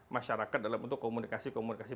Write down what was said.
masyarakat dalam bentuk komunikasi komunikasi